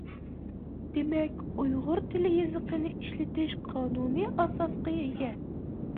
دېمەك ئۇيغۇر تىل-يېزىقىنى ئىشلىتىش قانۇنىي ئاساسقا ئىگە.